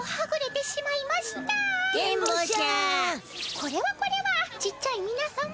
これはこれはちっちゃいみな様！